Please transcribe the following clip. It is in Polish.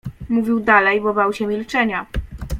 Mówił dalej, bo bał się milczenia.